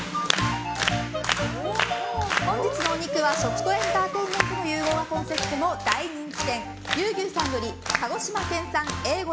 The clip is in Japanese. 本日のお肉は、食とエンターテインメントの融合がコンセプトの大人気店牛牛さんより鹿児島県産Ａ５